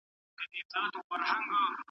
که موږ په پښتو ولیکو، نو پیغام واضح وي.